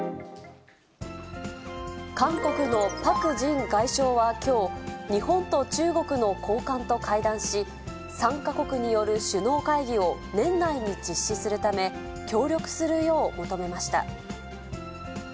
韓国のパク・ジン外相はきょう、日本と中国の高官と会談し、３か国による首脳会議を年内に実施するため、協力するよう求めました。